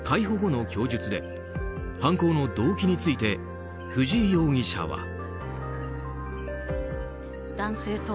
逮捕後の供述で犯行の動機について藤井容疑者は。